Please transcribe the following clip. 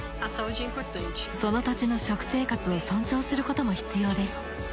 その土地の食生活を尊重することも必要です。